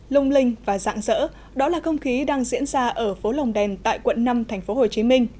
lông linh và dạng dở đó là không khí đang diễn ra ở phố lòng đèn tại quận năm tp hcm